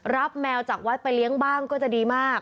แมวจากวัดไปเลี้ยงบ้างก็จะดีมาก